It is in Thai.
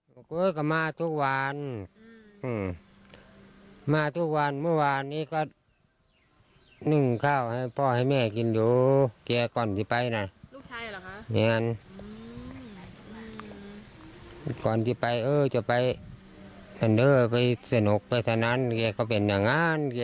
พิมพ์นี่วาดใช่ไหมอ่า